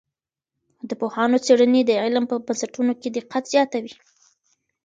د پوهانو څېړنې د علم په بنسټونو کي دقت زیاتوي.